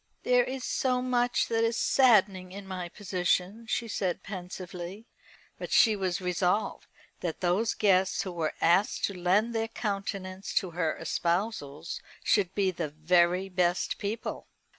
"There is so much that is saddening in my position," she said pensively. But she was resolved that those guests who were asked to lend their countenance to her espousals should be the very best people.